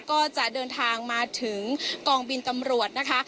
ก็จะเดินทางมาถึงกองบินตำรวจนะคะ